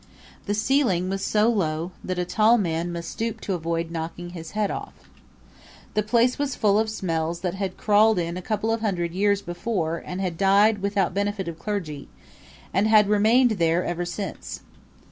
The ceiling was so low that a tall man must stoop to avoid knocking his head off. The place was full of smells that had crawled in a couple of hundred years before and had died without benefit of clergy, and had remained there ever since.